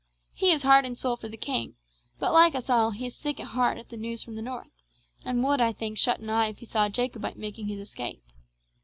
He is heart and soul for the king, but, like us all, he is sick at heart at the news from the North, and would, I think, shut an eye if he saw a Jacobite making his escape.